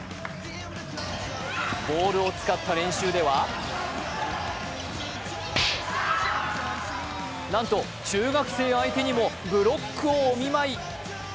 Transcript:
ボールを使った練習ではなんと、中学生相手にもブロックをお見舞い。